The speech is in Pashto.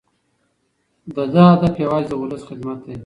د ده هدف یوازې د ولس خدمت دی.